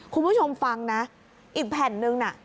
คุณผู้ชมฟังนะอีกแผ่นนึงน่ะ